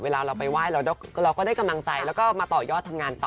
เวลาเราไปไหว้เราก็ได้กำลังใจแล้วก็มาต่อยอดทำงานต่อ